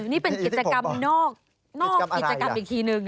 นี่เป็นกิจกรรมนอกกิจกรรมอีกทีนึง